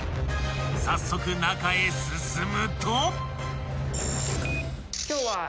［早速中へ進むと］